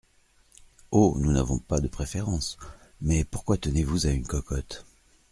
Oh ! nous n’avons pas de préférence, mais pourquoi tenez-vous à une cocotte ?